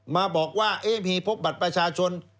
มาบอกว่ามีพบบัตรประชาชน